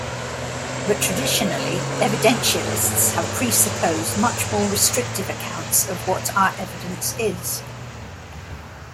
But, traditionally, evidentialists have presupposed much more restrictive accounts of what our evidence is.